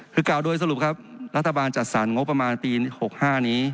คือกล่าวโดยสรุปครับรัฐบาลจัดสรรงบประมาณปี๖๕นี้